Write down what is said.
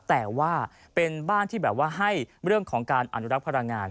แต่ว่าเป็นบ้านที่แบบว่าให้เรื่องของการอนุรักษ์พลังงาน